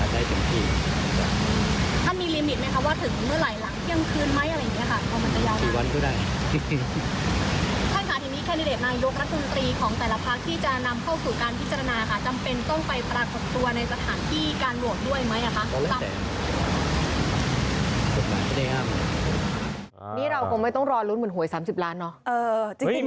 นี่เราคงไม่ต้องรอลุ้นเหมือนหวย๓๐ล้านเนาะ